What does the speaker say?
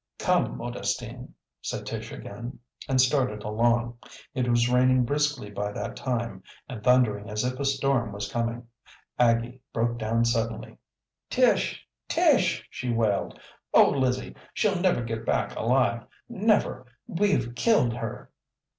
"Come, Modestine," said Tish again, and started along. It was raining briskly by that time, and thundering as if a storm was coming. Aggie broke down suddenly. "Tish! Tish!" she wailed. "Oh, Lizzie, she'll never get back alive. Never! We've killed her."